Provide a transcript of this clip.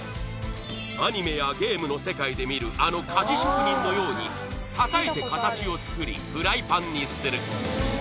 アニメやゲームの世界で見るあの鍛冶職人のようにたたいて形を作りフライパンにする。